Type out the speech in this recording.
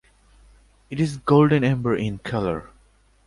It is golden amber in colour.